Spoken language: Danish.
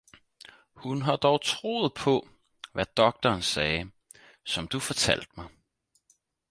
hun har dog troet paa, hvad Doctoren sagde, som Du fortalte mig.